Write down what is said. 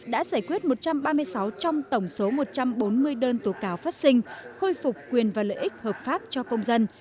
đã giải quyết một trăm ba mươi sáu trong tổng số một trăm bốn mươi đơn tố cáo phát sinh khôi phục quyền và lợi ích hợp pháp cho công dân